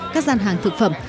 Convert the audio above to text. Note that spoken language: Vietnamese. các gian hàng thực phẩm